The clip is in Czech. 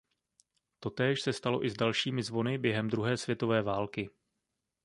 Totéž se stalo i s dalšími zvony během druhé světové války.